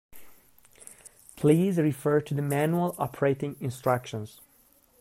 Please refer to the manual operating instructions